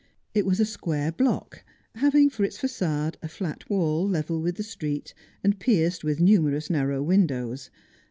It was a square block, having for its faQade a flat wall, level with the street, and pierced with numerous narrow windows.